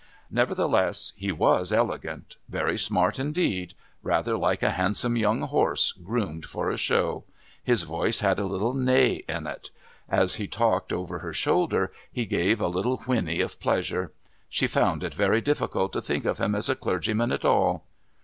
Nevertheless he was elegant. Very smart indeed. Rather like a handsome young horse, groomed for a show. His voice had a little neigh in it; as he talked over her shoulder he gave a little whinny of pleasure. She found it very difficult to think of him as a clergyman at all.